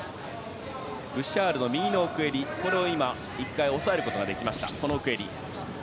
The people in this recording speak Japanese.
ブシャールの右の奥襟を１回、抑えることができました。